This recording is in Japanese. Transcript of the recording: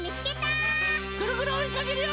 ぐるぐるおいかけるよ！